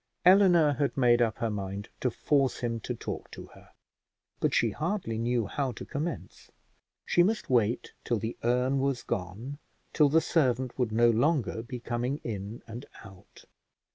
Eleanor had made up her mind to force him to talk to her, but she hardly knew how to commence: she must wait till the urn was gone, till the servant would no longer be coming in and out.